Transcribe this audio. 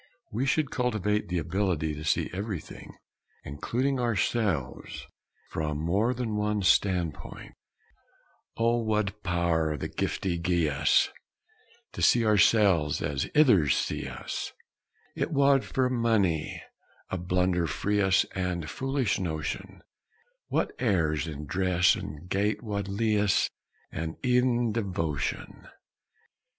We should cultivate the ability to see everything, including ourselves, from more than one standpoint. O wad some Pow'r the giftie gie us To see oursels as ithers see us! It wad frae mony a blunder free us, And foolish notion; What airs in dress an' gait wad lea'e us, And ev'n devotion!